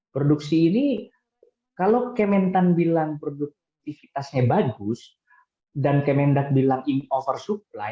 produksi ini kalau kementan bilang produktivitasnya bagus dan kemendak bilang ini oversupply